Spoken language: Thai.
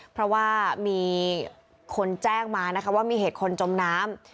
เพราะว่ามีคนแจ้งมานะคะว่ามีเหตุคนจมน้ำ